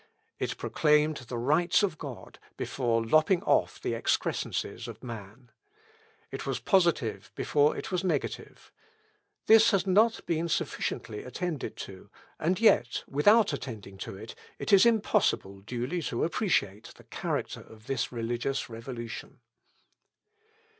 It proclaimed the rights of God before lopping off the excrescences of man. It was positive before it was negative. This has not been sufficiently attended to, and yet, without attending to it, it is impossible duly to appreciate the character of this religious revolution.